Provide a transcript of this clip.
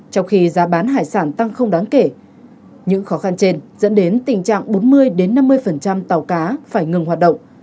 trong khi giá bán hải sản tăng không đáng kể những khó khăn trên dẫn đến tình trạng bốn mươi năm mươi tàu cá phải ngừng hoạt động